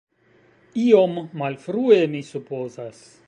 Iom malfrue, mi supozas.